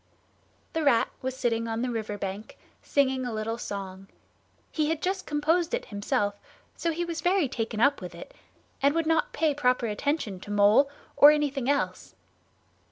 The Rat was sitting on the river bank, singing a little song. He had just composed it himself, so he was very taken up with it, and would not pay proper attention to Mole or anything else.